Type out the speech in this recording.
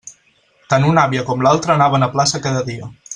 Tant una àvia com l'altra anaven a plaça cada dia.